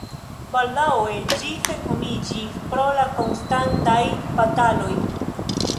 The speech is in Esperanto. Baldaŭe ĝi senhomiĝis pro la konstantaj bataladoj.